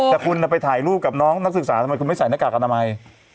แต่คุณไปถ่ายรูปกับน้องนักศึกษาทำไมคุณไม่ใส่หน้ากากอนามัย